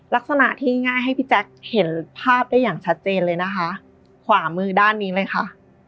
ลักษณะที่ง่ายให้พี่แจ๊คเห็นภาพได้อย่างชัดเจนเลยนะคะขวามือด้านนี้เลยค่ะ